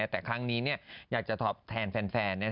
แต่ครั้งนี้เนี่ยอยากจะแทนแฟน